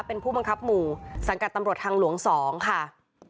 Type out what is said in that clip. เป็นผู้บังคับหมู่สังกัดตำรวจทางหลวง๒ค่ะ